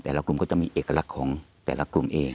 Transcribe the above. แต่ละกลุ่มก็จะมีเอกลักษณ์ของแต่ละกลุ่มเอง